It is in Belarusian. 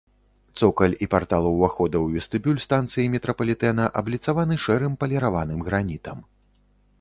Цокаль і партал увахода ў вестыбюль станцыі метрапалітэна абліцаваны шэрым паліраваным гранітам.